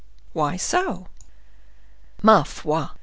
"Why so?" "Ma foi!